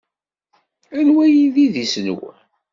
Anwa ay d idis-nwen?